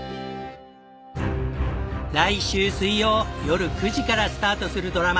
来週水曜よる９時からスタートするドラマ